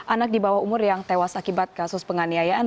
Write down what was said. anak di bawah umur yang tewas akibat kasus penganiayaan